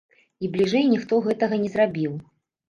І бліжэй ніхто гэтага не зрабіў!